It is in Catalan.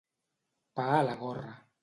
Pa a la gorra.